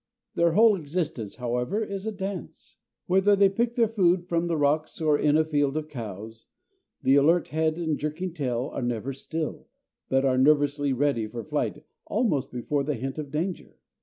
Their whole existence, however, is a dance. Whether they pick their food from the rocks or in a field of cows, the alert head and jerking tail are never still, but are nervously ready for flight almost before the hint of danger.